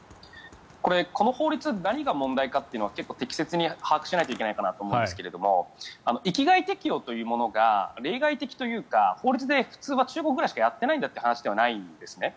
この法律何が問題かというのは結構適切に把握しなきゃいけないなと思うんですが域外適用というものが例外的というか法律で普通は中国くらいしかやってないんだという話ではないんですね。